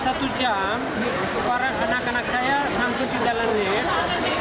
sampai satu jam orang anak anak saya sanggup di dalam lift